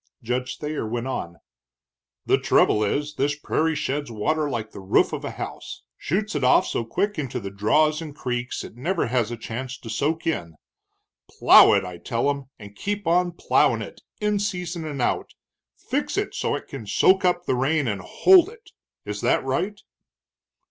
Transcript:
Judge Thayer went on, "The trouble is, this prairie sheds water like the roof of a house, shoots it off so quick into the draws and creeks it never has a chance to soak in. Plow it, I tell 'em, and keep on plowin' it, in season and out; fix it so it can soak up the rain and hold it. Is that right?"